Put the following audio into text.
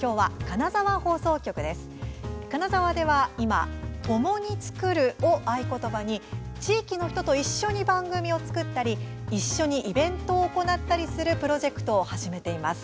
金沢では今“共に創る”を合言葉に地域の人と一緒に番組を作ったり一緒にイベントを行ったりするプロジェクトを始めています。